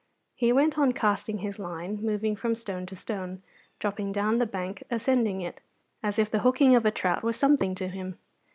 He went on casting his line, moving from stone to stone, dropping down the bank, ascending it, as if the hooking of a trout was something to him.